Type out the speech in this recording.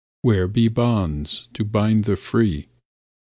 . Where be bonds to bind the free?